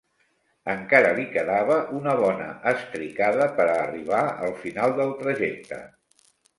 Encara li quedava una bona estricada per a arribar al final del trajecte.